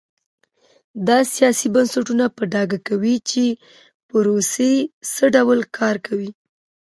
دا سیاسي بنسټونه په ډاګه کوي چې پروسې څه ډول کار کوي.